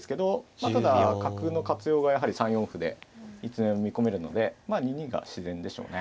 まあただ角の活用がやはり３四歩でいつでも見込めるのでまあ２二が自然でしょうね。